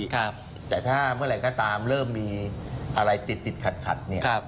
แต่ถ้าเมื่อไหร่ก็ตามเริ่มมีอะไรติดขัด